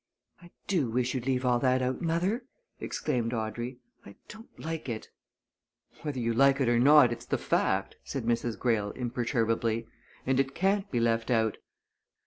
"I do wish you'd leave all that out, mother!" exclaimed Audrey. "I don't like it." "Whether you like it or not, it's the fact," said Mrs. Greyle imperturbably, "and it can't be left out.